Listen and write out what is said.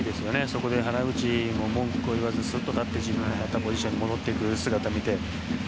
そこで原口も文句を言わずすっと立って自分のポジションに戻っていく姿を見て。